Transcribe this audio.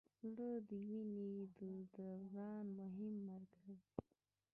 زړه د وینې د دوران مهم مرکز دی.